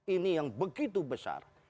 ini yang begitu besar